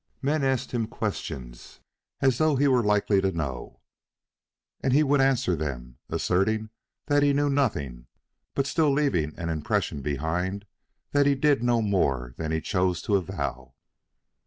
Men asked him questions as though he were likely to know; and he would answer them, asserting that he knew nothing, but still leaving an impression behind that he did know more than he chose to avow.